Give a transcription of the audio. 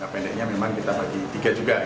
pendeknya memang kita bagi tiga juga